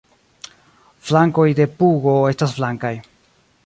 Flankoj de pugo estas blankaj.